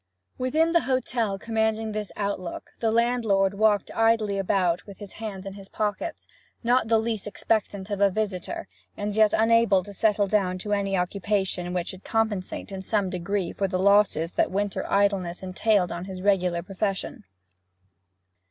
Within the hotel commanding this outlook the landlord walked idly about with his hands in his pockets, not in the least expectant of a visitor, and yet unable to settle down to any occupation which should compensate in some degree for the losses that winter idleness entailed on his regular profession.